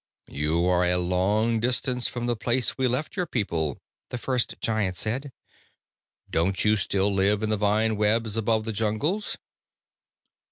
"You are a long distance from the place we left your people," the first Giant said. "Don't you still live in the vine webs above the jungles?"